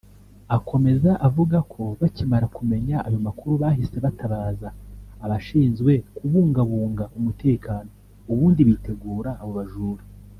Akomeza avuga ko bakimara kumenya ayo makuru bahise batabaza abashinzwe kubungabunga umutekano ubundi bitegura abo bajura